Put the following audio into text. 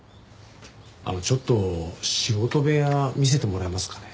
あのちょっと仕事部屋見せてもらえますかね？